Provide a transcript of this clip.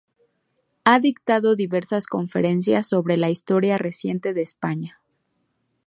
Ha dictado diversas conferencias sobre la historia reciente de España.